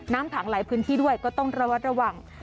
น้ำขังหลายพื้นที่ด้วยก็ต้องระวัดระวัง